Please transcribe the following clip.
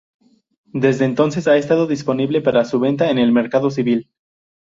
Desde entonces ha estado disponible para su venta en el mercado civil.